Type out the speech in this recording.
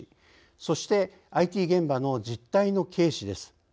そしてＩＴ現場の実態の軽視です。